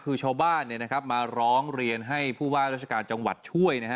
คือชาวบ้านมาร้องเรียนให้ผู้ว่าราชการจังหวัดช่วยนะฮะ